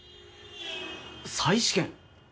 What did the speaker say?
再試験？